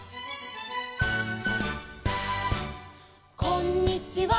「こんにちは」